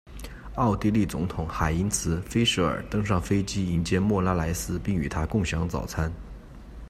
奥地利总统海因茨·菲舍尔登上飞机迎接莫拉莱斯并与他共享早餐。